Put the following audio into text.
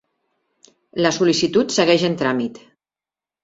La sol·licitud segueix en tràmit.